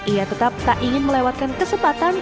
ia tetap tak ingin melewatkan kesempatan